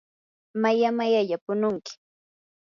maya mayalla pununki.